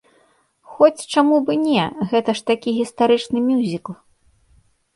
Хоць, чаму б і не, гэта ж такі гістарычны мюзікл.